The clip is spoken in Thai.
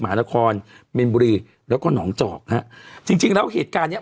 หมานครมีนบุรีแล้วก็หนองจอกฮะจริงจริงแล้วเหตุการณ์เนี้ย